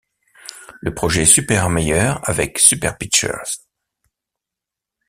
Le projet Supermayer avec Superpitcher.